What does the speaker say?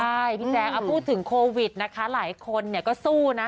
ใช่พี่แจ๊คพูดถึงโควิดนะคะหลายคนเนี่ยก็สู้นะ